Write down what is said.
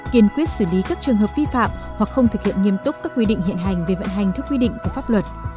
kiên quyết xử lý các trường hợp vi phạm hoặc không thực hiện nghiêm túc các quy định hiện hành về vận hành thức quy định của pháp luật